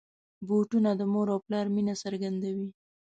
بوټونه د مور او پلار مینه څرګندوي.